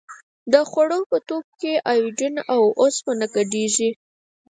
د خوړو په توکو کې ایوډین او اوسپنه ګډیږي؟